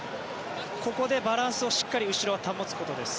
ここでバランスをしっかり後ろは保つことです。